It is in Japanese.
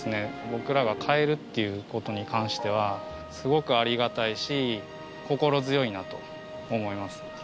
僕らが買えるっていう事に関してはすごくありがたいし心強いなと思います。